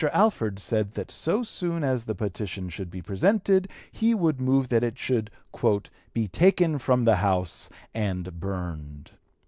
Alford said that so soon as the petition should be presented he would move that it should "be taken from the House and burned."